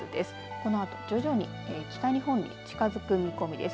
このあと徐々に北日本に近づく見込みです。